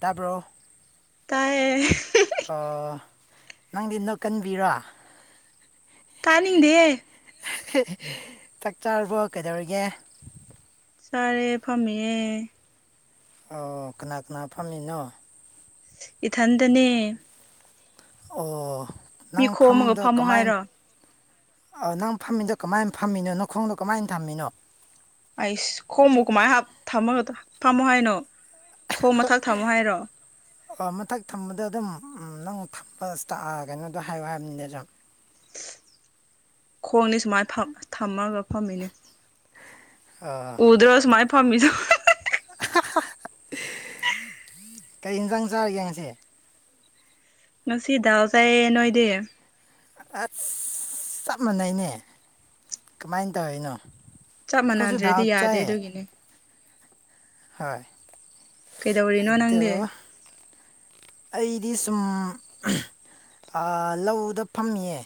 ꯇꯥꯕꯔꯣ ꯇꯥꯏ ꯅꯪꯗꯤ ꯅꯣꯛꯀꯟꯕꯤꯔꯣ ꯇꯥꯅꯤꯡꯗꯦ ꯆꯥꯛ ꯆꯥꯔꯕꯣ ꯀꯩꯗꯧꯔꯤꯒꯦ ꯁꯔꯦ ꯐꯥꯝꯃꯤꯌꯦ ꯑꯣ ꯀꯅꯥ ꯀꯅꯥ ꯐꯝꯃꯤꯅꯣ ꯏꯊꯟꯗꯅꯦ ꯑꯣ ꯃꯤ ꯅꯪ ꯈꯣꯝꯃꯒ ꯐꯥꯝꯗꯣ ꯐꯝꯃꯣ ꯀꯃꯥꯏ ꯍꯥꯏꯔꯣ ꯅꯪ ꯐꯝꯃꯤꯗꯣ ꯀꯃꯥꯏꯅ ꯐꯝꯃꯤꯅꯣ ꯅꯈꯣꯡꯗꯣ ꯀꯃꯥꯏꯅ ꯊꯝꯃꯤꯅꯣ ꯑꯩꯁ ꯈꯣꯝꯕꯨ ꯀꯃꯥꯏꯅ ꯊꯝꯃꯒ ꯐꯝꯃꯣ ꯍꯥꯏꯅꯣ ꯈꯣꯡ ꯃꯊꯥꯛ ꯊꯝꯃꯣ ꯍꯥꯏꯔꯣ ꯑꯣ ꯃꯊꯛ ꯊꯝꯕꯗ ꯑꯗꯨꯝ ꯅꯪ ꯊꯝꯕ ꯀꯩꯅꯣꯗꯣ ꯍꯥꯏꯌꯣ ꯍꯥꯏꯕꯅꯤꯅꯦ ꯑꯗꯨꯖꯝ ꯈꯣꯡꯅꯤ ꯁꯨꯃꯥꯏꯅ ꯊꯝꯃꯒ ꯐꯝꯃꯤꯅꯦ ꯑꯥ ꯎꯗ꯭ꯔꯣ ꯁꯨꯃꯥꯥꯏ ꯐꯝꯃꯤꯁꯦ ꯀꯩ ꯌꯦꯟꯁꯥꯡ ꯆꯥꯔꯒꯦ ꯉꯁꯤ ꯉꯁꯤ ꯗꯥꯜ ꯆꯥꯏꯌꯦ ꯅꯣꯏꯗꯤ ꯑꯁ ꯆꯞ ꯃꯥꯟꯅꯩꯅꯦ ꯀꯃꯥꯏꯅ ꯇꯧꯔꯤꯅꯣ ꯆꯞ ꯑꯩꯈꯣꯏꯁꯨ ꯗꯥꯜ ꯃꯥꯟꯅꯗꯔꯗꯤ ꯌꯥꯗꯦ ꯆꯥꯏꯌꯦ ꯑꯗꯨꯒꯤꯅꯦ ꯍꯣꯏ ꯀꯩꯗꯧꯔꯤꯅꯣ ꯅꯪꯗꯤ ꯑꯗꯣ ꯑꯩꯗꯤ ꯁꯨꯝ ꯂꯧꯗ ꯐꯝꯃꯤꯌꯦ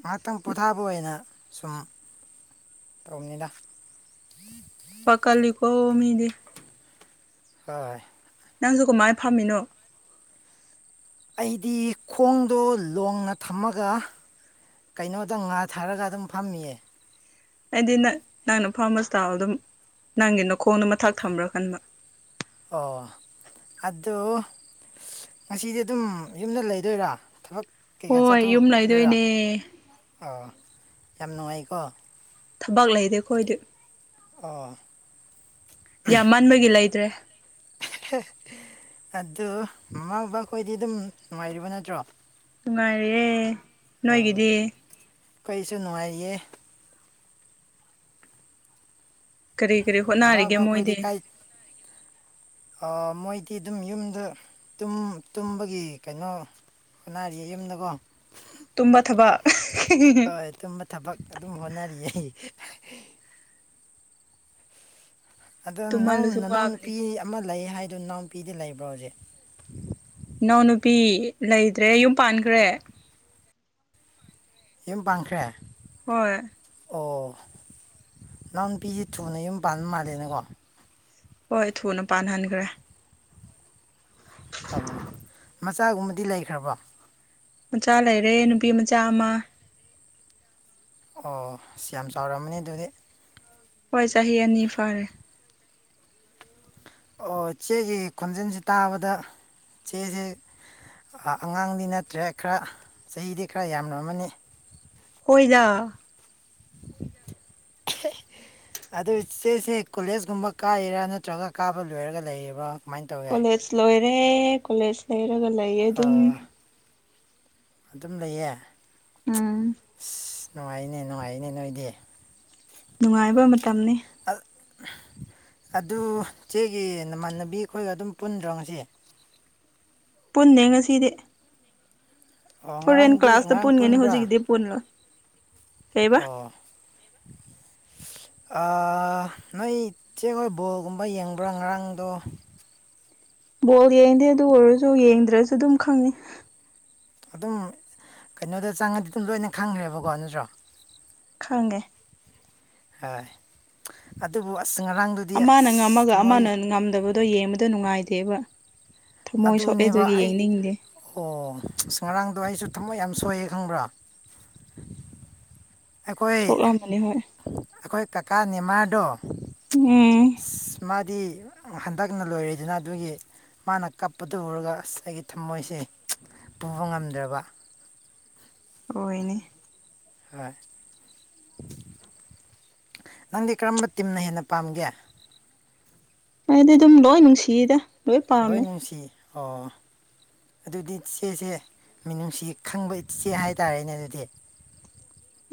ꯉꯥꯏꯍꯥꯛꯇꯪ ꯄꯣꯊꯥꯕ ꯑꯣꯏꯅ ꯁꯨꯝ ꯇꯧꯕꯅꯤꯅ ꯑꯣ ꯃꯤꯗꯤ ꯍꯣꯏ ꯅꯪꯁꯨꯒ ꯃꯥꯥꯏ ꯐꯥꯝꯃꯤꯅꯣ ꯑꯩꯗꯤ ꯈꯣꯡꯗꯣ ꯂꯣꯡꯅ ꯊꯝꯃꯒ ꯀꯩꯅꯣꯗ ꯉꯥ ꯊꯥꯔꯒ ꯑꯗꯨꯝ ꯐꯝꯃꯤꯌꯦ ꯑꯩꯗꯤ ꯅꯪ ꯅꯪꯅ ꯐꯥꯔꯃꯁꯤ ꯏꯁꯇꯥꯜ ꯑꯗꯨꯝ ꯅꯪꯒꯤ ꯅꯈꯣꯡꯗ ꯃꯊꯥꯛ ꯊꯝꯕ꯭ꯔꯥ ꯈꯟꯕ ꯑꯣ ꯑꯗꯨ ꯉꯁꯤꯗꯤ ꯑꯗꯨꯝ ꯌꯨꯝꯗ ꯂꯩꯗꯣꯏꯔꯥ ꯊꯕꯛ ꯀꯩꯀꯥ ꯍꯣꯏ ꯌꯨꯝ ꯆꯠꯊꯣꯛꯄꯤꯔꯣꯏꯔꯥ ꯂꯩꯗꯣꯏꯅꯦ ꯑ ꯌꯥꯝ ꯅꯨꯡꯉꯥꯏꯀꯣ ꯊꯕꯛ ꯂꯩꯗꯦ ꯑꯩ ꯈꯣꯏꯗꯤꯦ ꯑꯣ ꯌꯥꯝ ꯃꯟꯕꯒꯤ ꯂꯩꯇ꯭ꯔꯦ ꯑꯗꯨ ꯃꯃꯥ ꯕꯈꯣꯏꯗꯤ ꯑꯗꯨꯝ ꯅꯨꯡꯉꯥꯏꯔꯤꯕ ꯅꯠꯇ꯭ꯔꯣ ꯅꯨꯡꯉꯥꯏꯔꯑꯦ ꯅꯣꯏꯒꯤꯗꯤ ꯑꯩꯈꯩꯁꯨ ꯅꯨꯡꯉꯥꯏꯔꯤꯌꯦ ꯀꯔꯤ ꯀꯔꯤ ꯃꯃꯥ ꯍꯣꯠꯅꯔꯤꯒꯦ ꯕꯕꯥꯈꯣꯏꯗꯤ ꯃꯣꯏꯗꯤ ꯀꯥꯏ ꯃꯣꯏꯗꯤ ꯑꯗꯨꯝ ꯌꯨꯝꯗ ꯇꯨꯝꯕꯒꯤ ꯀꯩꯅꯣ ꯍꯣꯠꯅꯥꯔꯤꯌꯦ ꯌꯨꯝꯗꯀꯣ ꯇꯨꯝꯕ ꯊꯕꯛ ꯍꯣꯏ ꯇꯨꯝꯕ ꯊꯕꯛ ꯑꯗꯨꯝ ꯍꯣꯠꯅꯔꯤꯌꯦ [inaudible] ꯑꯗꯣ ꯇꯨꯝꯍꯜꯂꯁꯨ ꯋꯥꯕꯅꯦ ꯅꯅꯥꯎꯅꯨꯄꯤ ꯑꯃ ꯂꯩ ꯍꯥꯏꯗꯣ ꯏꯅꯥꯎꯅꯨꯄꯤꯗꯤ ꯂꯩꯕ꯭ꯔꯣ ꯍꯧꯖꯤꯛ ꯏꯅꯥꯎꯅꯨꯄꯤ ꯂꯩꯗ꯭ꯔꯦ ꯌꯨꯝ ꯄꯥꯟꯈ꯭ꯔꯦ ꯌꯨꯝ ꯄꯥꯟꯈ꯭ꯔꯦ ꯍꯣꯏ ꯑꯣ ꯏꯅꯥꯎ ꯅꯨꯄꯤꯁꯤꯦ ꯊꯨꯅ ꯌꯨꯝ ꯄꯥꯟꯕ ꯃꯥꯜꯂꯦꯅꯀꯣ ꯍꯣꯏ ꯊꯨꯅ ꯄꯥꯟꯍꯟꯈ꯭ꯔꯦ ꯑꯣ ꯃꯆꯥꯒꯨꯝꯕꯗꯤ ꯂꯩꯈ꯭ꯔꯕꯣ ꯃꯆꯥ ꯂꯩꯔꯦ ꯅꯨꯄꯤ ꯃꯆꯥ ꯑꯃ ꯑꯣ ꯁꯤ ꯌꯥꯝ ꯆꯥꯎꯔꯃꯅꯤ ꯑꯗꯨꯗꯤ ꯍꯣꯏ ꯆꯍꯤ ꯑꯅꯤ ꯐꯥꯔꯦ ꯑꯣ ꯆꯦꯒꯤ ꯈꯣꯟꯖꯦꯜꯁꯤ ꯇꯥꯕꯗ ꯆꯦꯁꯦ ꯑꯉꯥꯡꯗꯤ ꯅꯠꯇ꯭ꯔꯦ ꯈꯔ ꯆꯍꯤꯗꯤ ꯈꯔ ꯌꯥꯝꯅ ꯑꯃꯅꯤ ꯍꯣꯏꯗ ꯑꯗꯨ ꯏꯆꯦꯁꯦ ꯀꯣꯂꯦꯖꯀꯨꯝꯕ ꯀꯥꯔꯤꯔꯥ ꯅꯠꯇ꯭ꯔꯒ ꯀꯥꯕ ꯂꯣꯏꯔꯒ ꯂꯩꯌꯦꯔꯕꯣ ꯀꯃꯥꯏꯅ ꯇꯧꯒꯦ ꯍꯔꯦ ꯀꯣꯂꯦꯖ ꯂꯩꯔꯒ ꯂꯩꯌꯦ ꯑꯗꯨꯝ ꯑꯣ, ꯑꯗꯨꯝ ꯂꯩꯌꯦ ꯎꯝ ꯑꯁ ꯅꯨꯡꯉꯥꯏꯅꯦ ꯅꯨꯡꯉꯥꯏꯅꯦ ꯅꯣꯏꯗꯤ ꯅꯨꯡꯉꯥꯏꯕ ꯃꯇꯝꯅꯤ ꯑ, ꯑꯗꯨ ꯆꯦꯒꯤ ꯅꯃꯥꯟꯅꯕꯤ ꯑꯩꯈꯣꯏꯒ ꯑꯗꯨꯝ ꯄꯨꯟꯗ꯭ꯔꯣ ꯉꯁꯤ ꯄꯨꯟꯅꯦ ꯉꯁꯤꯗꯤ ꯑꯣ ꯍꯣꯔꯦꯟ ꯉꯔꯥꯡꯗꯤ ꯀ꯭ꯂꯥꯁꯇ ꯉꯔꯥꯡ ꯄꯨꯟꯒꯅꯤ ꯄꯨꯟꯕ꯭ꯔꯥ ꯍꯧꯖꯤꯛꯀꯤꯗꯤ ꯄꯨꯜꯂꯣꯏ ꯑꯣ [inaudible] ꯅꯣꯏꯆꯦ ꯍꯣꯏ ꯕꯣꯜꯒꯨꯝꯕ ꯌꯦꯡꯕ꯭ꯔꯥ ꯉꯔꯥꯡꯗꯣ ꯕꯣꯜ ꯌꯦꯡꯗꯦ ꯑꯗꯨ ꯑꯣꯏꯔꯁꯨ ꯌꯦꯡꯗ꯭ꯔꯁꯨ ꯑꯗꯨꯝ ꯈꯪꯉꯤ ꯑꯗꯨꯝ ꯀꯩꯅꯣꯗ ꯆꯪꯉꯗꯤ ꯑꯗꯨꯝ ꯂꯣꯏꯅ ꯈꯪꯈ꯭ꯔꯦꯕꯀꯣ ꯅꯠꯇ꯭ꯔꯣ ꯈꯪꯒꯦ ꯍꯥꯏꯣꯏ ꯑꯗꯨꯕꯨ ꯑꯁ ꯉꯔꯥꯡꯗꯨꯗꯤ ꯑꯃꯅ ꯑꯁ ꯉꯝꯃꯒ ꯊꯃꯣꯏ ꯑꯃꯅ ꯉꯝꯗꯕꯗꯣ ꯌꯦꯡꯕꯗ ꯅꯨꯡꯉꯥꯏꯇꯦꯕ ꯊꯃꯣꯏ ꯁꯣꯛꯑꯦ ꯑꯗꯨꯅꯦꯕ ꯑꯗꯨꯒꯤ ꯑꯩ ꯌꯦꯡꯅꯤꯡꯗꯦ ꯑꯣ ꯉꯔꯥꯡꯗꯣ ꯑꯩꯁꯨ ꯊꯝꯃꯣꯏ ꯌꯥꯝ ꯁꯣꯏꯌꯦꯦ ꯈꯪꯕ꯭ꯔꯥ ꯑꯩꯈꯣꯏ ꯁꯣꯛꯂꯝꯕꯅꯤ ꯍꯣꯏ ꯑꯩꯈꯣꯏ ꯀꯀꯥ ꯅꯤꯃꯥꯗꯣ ꯎꯝ ꯗꯤ ꯍꯟꯗꯛꯅ ꯂꯣꯏꯔꯗꯅ ꯑꯗꯨꯒꯤ ꯃꯥꯅ ꯀꯞꯄꯗꯨ ꯎꯔꯒ ꯉꯁꯥꯏꯒꯤ ꯊꯝꯃꯣꯏꯁꯦ ꯄꯨꯕ ꯉꯝꯗ꯭ꯔꯕ ꯍꯣꯏꯅꯤ ꯍꯥꯏꯣꯏ ꯅꯪꯗꯤ ꯀꯔꯝꯕ ꯇꯤꯝꯅ ꯍꯦꯟꯅ ꯄꯥꯝꯒꯦ ꯑꯩꯗꯤ ꯑꯗꯨꯝ ꯂꯣꯏ ꯅꯨꯡꯁꯤꯗ ꯂꯣꯏꯅꯦꯃꯤꯁꯤ ꯑꯣ ꯑꯗꯨꯗꯤ ꯏꯆꯦꯁꯦ ꯃꯤꯅꯨꯡꯁꯤ ꯈꯪꯕ ꯏꯆꯦ ꯍꯥꯏꯇꯥꯔꯦꯅꯦ ꯑꯗꯨꯗꯤ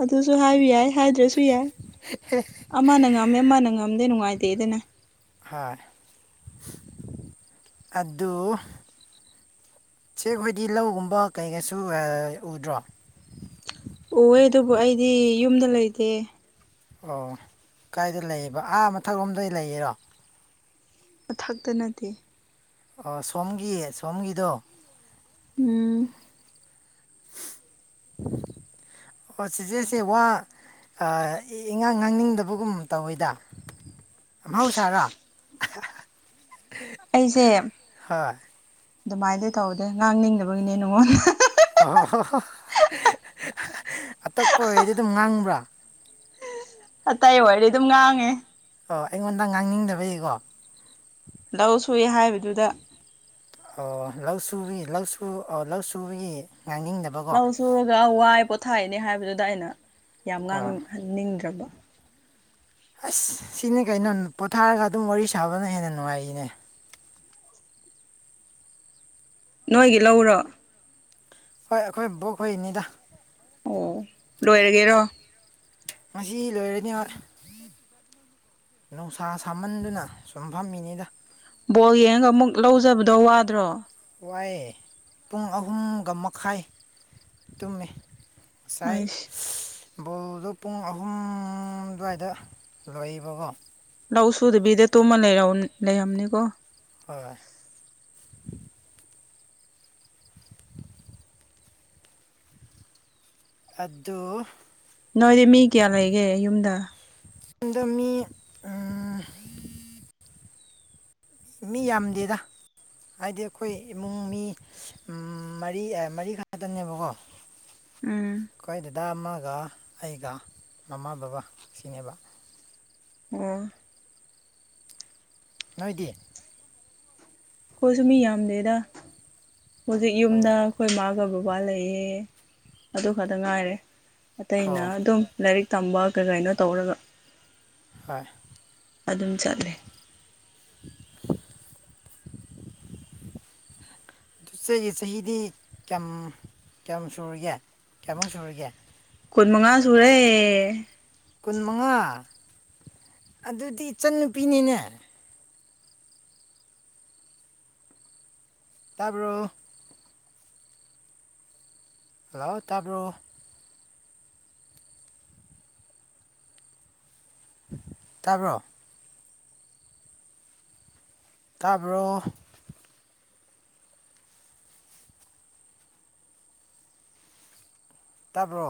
ꯑꯗꯨ ꯑꯗꯨꯁꯨ ꯍꯥꯏꯕꯤ ꯌꯥꯏ ꯍꯥꯏꯗ꯭ꯔꯁꯨ ꯌꯥꯏ ꯑꯃꯅ ꯉꯝꯃꯦ ꯑꯃꯅ ꯉꯝꯗꯦ ꯅꯨꯡꯉꯥꯏꯇꯦꯗꯅ ꯍꯣꯏ ꯑꯗꯨ ꯆꯦꯛ ꯑꯩꯈꯣꯏꯗꯤ ꯂꯧꯒꯨꯝꯕ ꯀꯩꯀꯩꯁꯨ ꯎꯗ꯭ꯔꯣ ꯑꯣꯍꯦ ꯑꯗꯨꯕꯨ ꯑꯩꯗꯤ ꯌꯨꯝꯗ ꯂꯩꯇꯦ ꯑꯣ ꯀꯥꯏꯗ ꯂꯩꯕ ꯑꯥ ꯃꯊꯛꯂꯣꯝꯗ ꯂꯩꯔꯣ ꯃꯊꯛꯇ ꯅꯠꯇꯦ ꯑꯣ ꯁꯣꯝꯒꯤ ꯁꯣꯝꯒꯤꯗꯣ ꯎꯝ [inaudible] ꯑꯣ ꯁꯤꯁ ꯋꯥ ꯏꯉꯥꯡ ꯉꯥꯡꯅꯤꯡꯗꯕꯒꯨꯝ ꯇꯧꯋꯤꯗ ꯃꯍꯥꯎ ꯁꯔꯥ ꯑꯩꯁꯦ ꯑꯗꯨꯃꯥꯏꯅꯗꯤ ꯇꯧꯗꯦ ꯉꯥꯡꯅꯤꯡꯗꯕꯒꯤꯅꯦ ꯅꯉꯣꯟꯗ ꯑꯣꯣ ꯍ ꯑꯇꯣꯞꯄ ꯑꯣꯏꯗꯤ ꯑꯗꯨꯝ ꯉꯥꯡꯕ꯭ꯔꯥ ꯑꯇꯩ ꯋꯥꯔꯤꯗꯤ ꯑꯗꯨꯝ ꯉꯥꯡꯉꯦ ꯑꯣ ꯑꯩꯉꯣꯟꯗ ꯉꯥꯡꯅꯤꯡꯗꯕꯒꯤꯀꯣ ꯂꯧ ꯁꯨꯏ ꯍꯥꯏꯕꯗꯨꯗ ꯑꯣ ꯂꯧ ꯁꯨꯕ ꯂꯧꯁꯨ ꯂꯧ ꯁꯨꯕꯒꯤ ꯉꯥꯡꯅꯤꯡꯗꯕꯀꯣ ꯂꯧ ꯁꯨꯔꯒ ꯋꯥꯏ ꯄꯣꯊꯥꯏꯅꯦ ꯍꯥꯏꯕꯗꯨꯗ ꯑꯩꯅ ꯌꯥꯝ ꯑꯣ ꯉꯥꯡꯍꯟꯅꯤꯡꯗ꯭ꯔꯕ ꯑꯁ ꯁꯤꯅꯦ ꯀꯩꯅꯣ ꯄꯣꯊꯥꯔꯒ ꯑꯗꯨꯝ ꯋꯥꯔꯤ ꯁꯥꯕꯅ ꯍꯦꯟꯅ ꯅꯨꯡꯉꯥꯏꯔꯤꯅꯦ ꯅꯣꯏꯒꯤ ꯂꯧꯔꯣ ꯍꯣꯏ ꯑꯩꯈꯣꯏ ꯕꯣꯛ ꯍꯅꯤꯗ ꯑꯣ ꯂꯣꯏꯔꯒꯦꯔꯣ ꯉ ꯂꯣꯏꯔꯅꯤ ꯅꯨꯡꯁꯥ ꯁꯥꯃꯟꯗꯨꯅ ꯁꯨꯝ ꯐꯝꯃꯤꯅꯤꯗ ꯕꯣꯜ ꯌꯦꯡꯉꯒ ꯑꯃꯨꯛ ꯂꯧꯖꯕꯗꯣ ꯋꯥꯗ꯭ꯔꯣ ꯍꯏ ꯄꯨꯡ ꯑꯍꯨꯝꯒ ꯃꯈꯥꯏ ꯇꯨꯝꯃꯤ ꯉꯁꯥꯏ ꯑꯩꯁ ꯕꯣꯜꯗꯣ ꯄꯨꯡ ꯑꯍꯨꯝ ꯑꯗꯨꯋꯥꯏꯗ ꯂꯣꯏꯕꯀꯣ ꯂꯧ ꯁꯨꯗꯕꯤꯗ ꯇꯨꯝꯃ ꯂꯩꯔ ꯂꯩꯔꯝꯅꯤꯀꯣ ꯍꯣꯏ ꯑꯗꯨꯣ ꯅꯣꯏꯗꯤ ꯃꯤ ꯀꯌꯥ ꯂꯩꯒꯦ ꯌꯨꯝꯗ ꯌꯦꯗ ꯃꯤ ꯃꯤ ꯌꯥꯝꯗꯦꯗ ꯍꯥꯏꯗꯤ ꯑꯩꯈꯣꯏ ꯏꯃꯨꯡ ꯃꯤ ꯃꯔꯤ ꯃꯔꯤꯈꯛꯇꯅꯦꯕꯀꯣ ꯎꯝ ꯀꯥꯏꯗꯗꯥꯃ ꯑꯗꯨꯒꯒ ꯑꯩꯒ ꯃꯃꯥ ꯕꯕꯥ ꯁꯤꯅꯦꯕ ꯋꯥ ꯅꯣꯏꯗꯤ ꯑꯩꯣꯏꯁꯨ ꯃꯤ ꯌꯥꯝꯗꯦꯗ ꯍꯧꯖꯤꯛ ꯑꯣ ꯌꯨꯝꯗ ꯑꯩꯈꯣꯏ ꯃꯥꯒꯕꯨ ꯎ ꯋꯥ ꯂꯩꯌꯦ ꯑꯗꯨ ꯈꯛꯇ ꯉꯥꯏꯔꯦ ꯑꯇꯩꯅ ꯑꯣ ꯑꯗꯨꯝ ꯂꯥꯏꯔꯤꯛ ꯇꯝꯕ ꯀꯩ ꯀꯩꯅꯣ ꯇꯧꯔꯒ ꯍꯣꯏ ꯑꯗꯨꯝ ꯆꯠꯂꯦ ꯍꯨꯏ [inaudible] ꯔꯦ ꯌꯦ ꯆꯍꯤꯍꯤꯗꯤ ꯀꯌꯥꯝ ꯀꯌꯥꯃꯨꯛ ꯁꯨꯔꯤꯒꯦ ꯀꯌꯥꯃꯨꯛ ꯁꯨꯔꯤꯒꯦ ꯈꯨꯟ ꯃꯉꯥ ꯁꯨꯔꯦ ꯀꯨꯟ ꯃꯉꯥ ꯑꯗꯨꯗꯤ ꯏꯆꯟꯟꯅꯨꯄꯤꯅꯤꯅꯦ ꯇꯥꯔꯕ ꯍꯂꯥꯎ ꯇꯥꯕ꯭ꯔꯣ ꯇꯥꯔꯕ꯭ꯔꯣ ꯇꯥꯔꯕꯔꯣ ꯇꯥꯕ꯭ꯔꯣ